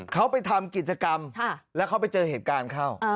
เขาไปทำกิจกรรมแล้วเขาไปเจอเหตุการณ์เข้า